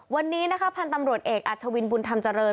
วันนี้นะคะพันธุ์ตำรวจเอกอัชวินบุญธรรมเจริญ